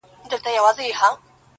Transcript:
• د ميني شر نه دى چي څـوك يـې پــټ كړي.